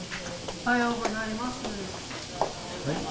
おはようございます。